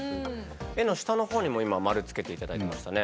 絵の下のほうにも今丸つけて頂いてましたね。